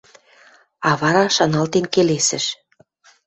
А вара шаналтен келесӹш: